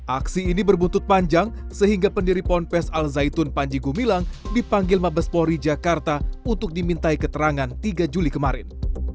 aksi ini berbuntut panjang sehingga pendiri ponpes al zaitun panji gumilang dipanggil mabespori jakarta untuk dimintai keterangan tiga juli kemarin